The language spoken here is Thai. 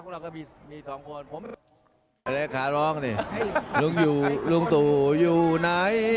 เราเลยขาร้องลุงยูลุงตู่อยู่ไหน